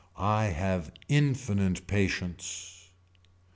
I have infinite patience.